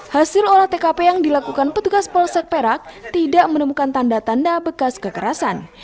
hasil olah tkp yang dilakukan petugas polsek perak tidak menemukan tanda tanda bekas kekerasan